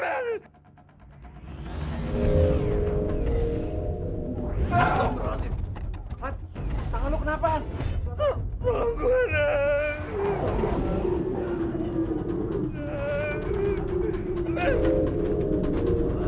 tangan lu kenapa